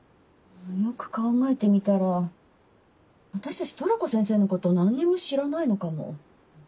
よく考えてみたら私たちトラコ先生のこと何にも知らないのかも。